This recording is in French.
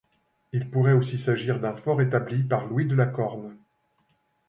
Il pourrait aussi s'agir d'un fort établi par Louis de La Corne.